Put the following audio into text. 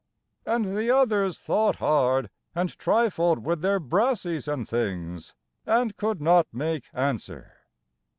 And the others thought hard, And trifled with their brassies and things, And could not make answer.